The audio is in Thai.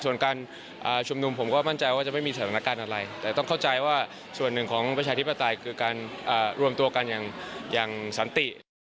ส่วนการชุมนุมผมก็มั่นใจว่าจะไม่มีสถานการณ์อะไรแต่ต้องเข้าใจว่าส่วนหนึ่งของประชาธิปไตยคือการรวมตัวกันอย่างสันตินะครับ